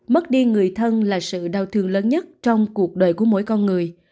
mất đi người thân là sự đau thương lớn nhất trong cuộc đời của mỗi con người